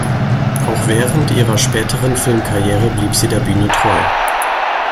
Auch während ihrer späteren Filmkarriere blieb sie der Bühne treu.